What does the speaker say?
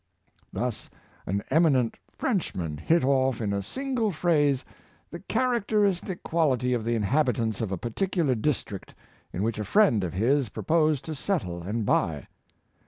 Thus an eminent Frenchman hit off in a single phrase the characteristic quality of the inhabitants of a particular district, in which a friend of his proposed to settle and buy land.